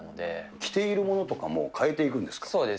着ているものとかも変えていそうです。